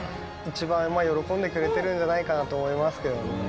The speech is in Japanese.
一番喜んでくれてるんじゃないかなと思いますけどね。